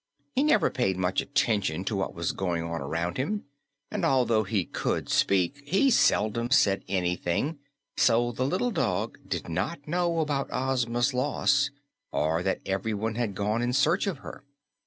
He never paid much attention to what was going on around him, and although he could speak, he seldom said anything, so the little dog did not know about Ozma's loss or that everyone had gone in search of her.